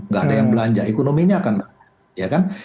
nggak ada yang belanja ekonominya akan ya kan